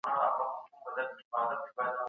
استاد وويل چي سياستپوهنه ډېر لرغونی علم دی.